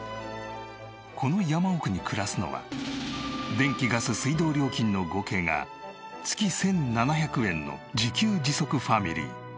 この山奥に暮らすのは電気ガス水道料金の合計が月１７００円の自給自足ファミリー。